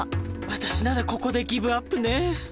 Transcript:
「私ならここでギブアップね」